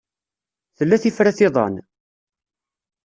Tella tifrat-iḍen?